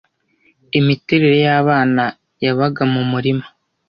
Imiterere y'abana yabaga mu murima